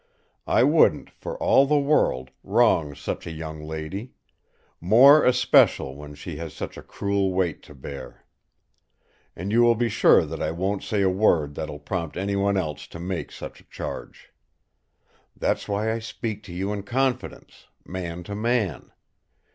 I wouldn't, for all the world, wrong such a young lady; more especial when she has such a cruel weight to bear. And you will be sure that I won't say a word that'll prompt anyone else to make such a charge. That's why I speak to you in confidence, man to man.